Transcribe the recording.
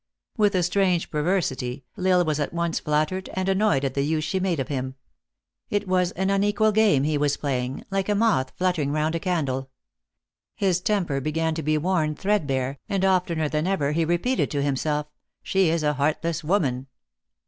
With a strange perversity, L Isle was at once flattered and annoyed at the use she made of him. It was an unequal game he was playing, like a moth fluttering round a candle. His temper began to be worn threadbare, and oftener than ever he repeated to himself, " She is a heartless woman